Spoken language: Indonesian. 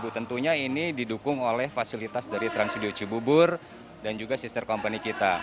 tentunya ini didukung oleh fasilitas dari trans studio cibubur dan juga sister company kita